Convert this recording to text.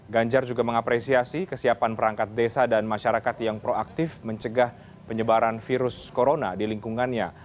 ganjar juga mengapresiasi kesiapan perangkat desa dan masyarakat yang proaktif mencegah penyebaran virus corona di lingkungannya